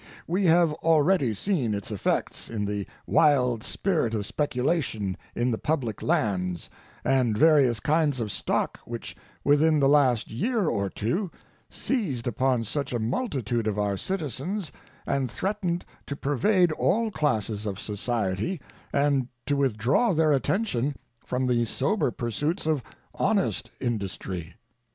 We have already seen its effects in the wild spirit of speculation in the public lands and various kinds of stock which within the last year or two seized upon such a multitude of our citizens and threatened to pervade all classes of society and to withdraw their attention from the sober pursuits of honest industry.